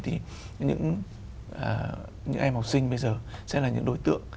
thì những em học sinh bây giờ sẽ là những đối tượng